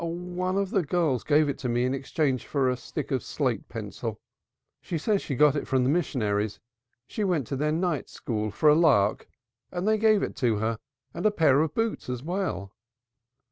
"One of the girls gave it me in exchange for a stick of slate pencil. She said she got it from the missionaries she went to their night school for a lark and they gave her it and a pair of boots as well."